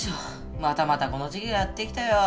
またまたこの時期がやってきたよ。